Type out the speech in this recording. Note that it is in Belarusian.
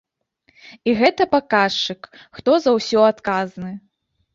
І гэта паказчык, хто за ўсё адказны.